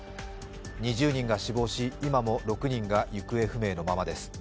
２０人が死亡し、今も６人が行方不明のままです。